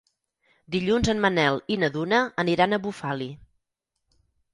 Dilluns en Manel i na Duna aniran a Bufali.